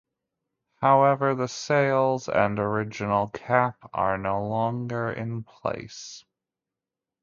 However, the sails and original cap are no longer in place.